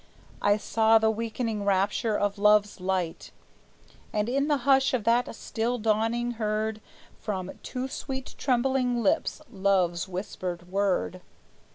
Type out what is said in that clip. I saw the wakening rapture of love's light, And, in the hush of that still dawning, heard From two sweet trembling lips love's whispered word.